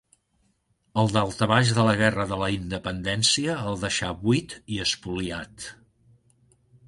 El daltabaix de la guerra de la Independència el deixà buit i espoliat.